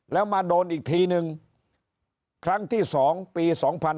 แล้วมาโดนอีกทีนึงครั้งที่๒ปี๒๕๕๙